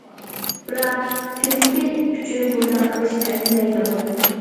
بىراق فىلىپپىن ئۈچۈن بۇنداق قىلىش ئەرزىمەيدۇ.